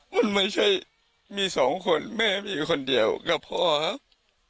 มันไม่ใช่มีสองคนแม่มีคนเดียวกับพ่อครับ